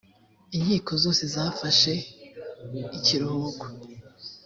inkiko zose zafashe ikiruhuko